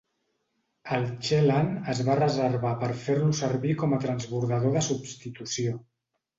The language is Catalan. El "Chelan" es va reservar per fer-lo servir com a transbordador de substitució.